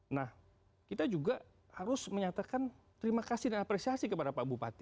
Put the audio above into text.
nah kita juga harus menyatakan terima kasih dan apresiasi kepada pak bupati